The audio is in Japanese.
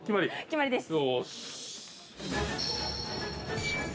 決まりです。